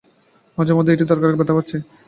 মাঝেমধ্যে এটা দরকারি - ব্যাথা পাচ্ছি!